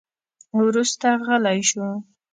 وروسته غلی شو.